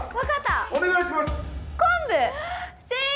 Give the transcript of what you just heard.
お願いします。